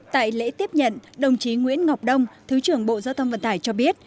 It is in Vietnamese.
tại lễ tiếp nhận đồng chí nguyễn ngọc đông thứ trưởng bộ giao thông vận tải cho biết